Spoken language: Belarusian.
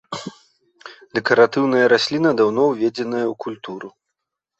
Дэкаратыўная расліна, даўно уведзеная ў культуру.